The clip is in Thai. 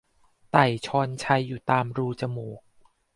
ไต่ชอนไชอยู่ตามรูจมูก